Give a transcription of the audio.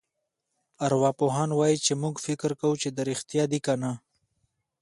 ارواپوهان وايي چې موږ فکر کوو چې دا رېښتیا دي کنه.